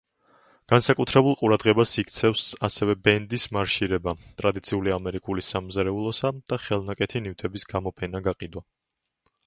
განსაკუთრებულ ყურადღებას იქცევს ასევე ბენდის მარშირება, ტრადიციული ამერიკული სამზარეულოსა და ხელნაკეთი ნივთების გამოფენა-გაყიდვა.